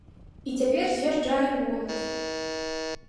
І цяпер з'язджае моладзь.